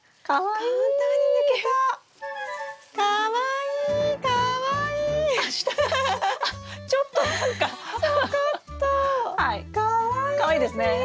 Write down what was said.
かわいいですね。